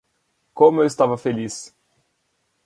Como eu estava feliz